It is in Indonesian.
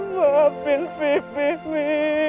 maafin pipih mi